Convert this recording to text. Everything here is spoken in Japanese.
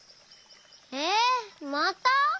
えっまた？